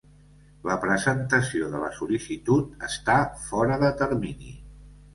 La presentació de la sol·licitud està fora de termini.